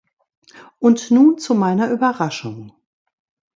Und nun zu meiner Überraschung.